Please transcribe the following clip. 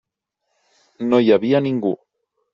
No hi havia ningú.